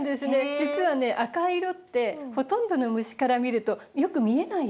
実はね赤い色ってほとんどの虫から見るとよく見えない色なんです。